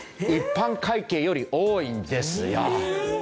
一般会計より多いんですよ。